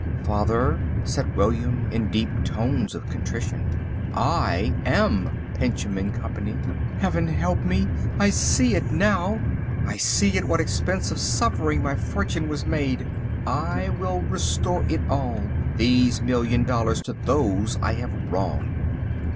"Father," said William, in deep tones of contrition, "I am Pinchem & Co. Heaven help me! I see it now. I see at what expense of suffering my fortune was made. I will restore it all, these million dollars, to those I have wronged."